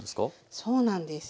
そうなんです。